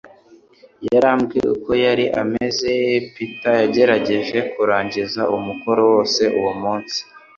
Yarambiwe uko yari ameze, Peter yagerageje kurangiza umukoro wose uwo munsi